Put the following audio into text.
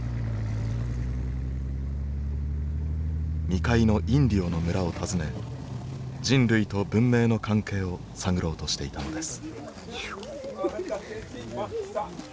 未開のインディオの村を訪ね人類と文明の関係を探ろうとしていたのです。